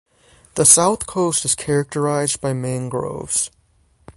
The south coast is characterised by mangroves.